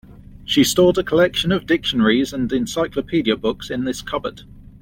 She stored a collection of dictionaries and encyclopedia books in this cupboard.